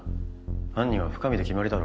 犯人は深水で決まりだろ。